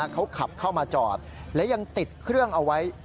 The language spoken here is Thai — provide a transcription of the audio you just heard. เขาขับเข้ามาจอดและยังติดเครื่องเอาไว้